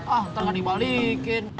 ah ntar kan dibalikin